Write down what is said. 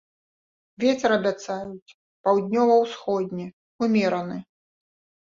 Вецер абяцаюць паўднёва-ўсходні, умераны.